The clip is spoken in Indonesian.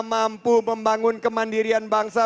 mampu membangun kemandirian bangsa